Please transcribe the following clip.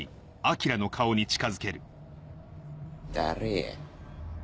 誰や？